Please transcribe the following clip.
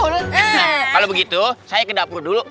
nah kalau begitu saya ke dapur dulu